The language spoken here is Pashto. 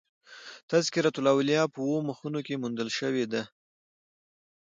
تذکرة الاولیاء" په اوو مخونو کښي موندل سوى دئ.